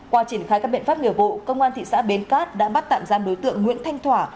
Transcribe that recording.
qua triển khai các biện pháp nghiệp vụ công an thị xã bến cát đã bắt tạm giam đối tượng nguyễn thanh thỏa